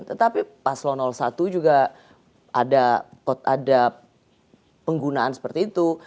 tetapi paslon satu juga ada penggunaan seperti itu